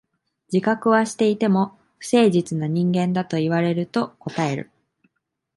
自覚はしていても、不誠実な人間だと言われると応える。